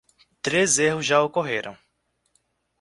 Três erros já ocorreram